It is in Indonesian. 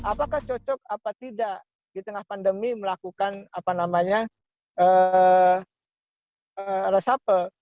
apakah cocok atau tidak di tengah pandemi melakukan resapel